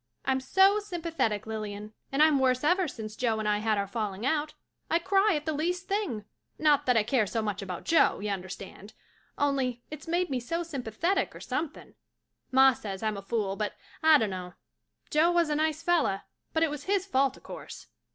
I'm so sympathetic, Lilian, and I'm worse ever since Joe and I had our falling out — I cry at the least thing — not that I care so much about Joe, y'understand, only it's made me so sympathetic or somethin'. Ma says I'm a fool but I donno. Joe was a nice fella but it was his fault a'course.